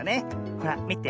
ほらみて。